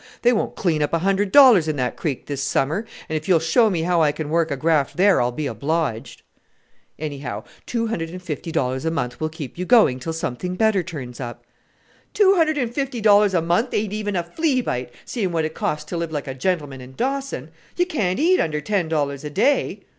They won't clean up a hundred dollars in that creek this summer; and if you'll show me how I can work a graft there, I'll be obliged." "Anyhow, two hundred and fifty dollars a month will keep you going till something better turns up." "Two hundred and fifty dollars a month ain't even a flea bite, seeing what it costs to live like a gentleman in Dawson. You can't eat under ten dollars a day!"